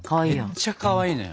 めっちゃかわいいのよ。